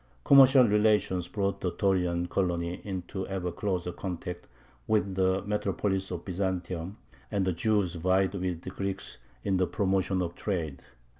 Commercial relations brought the Taurian colony into ever closer contact with the metropolis of Byzantium, and the Jews vied with the Greeks in the promotion of trade.